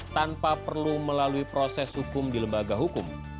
tanpa perlu melalui proses hukum di lembaga hukum